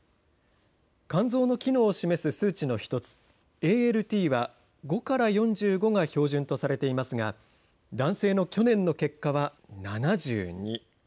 肝臓の機能を示す数値の１つ、ＡＬＴは５から４５が標準とされていますが、男性の去年の結果は７２。